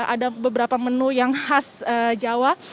ada beberapa menu yang khas jawa